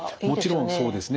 もちろんそうですね。